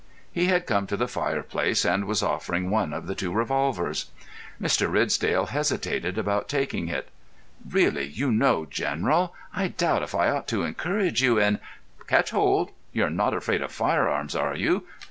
He had come to the fireplace and was offering one of the two revolvers. Mr. Ridsdale hesitated about taking it. "Really, you know, General, I doubt if I ought to encourage you in——" "Catch hold. You're not afraid of firearms, are you?"